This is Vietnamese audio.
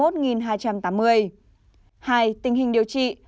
hai tình hình điều trị